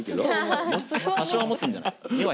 多少は持つんじゃない。